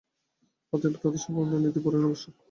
অতএব আমাদের সর্বদা নীতিপরায়ণ হওয়া আবশ্যক।